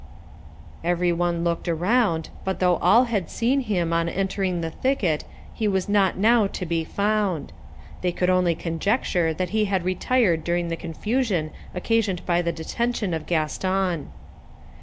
Every one looked around, but though all had seen him on entering the thicket, he was not now to be found. They could only conjecture that he had retired during the confusion occasioned by the detention of Gaston.